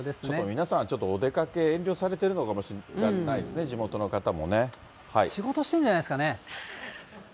皆さんはちょっとお出かけ、遠慮されてるのかもしれないですね、地元の方もね。仕事してるんじゃないですかね。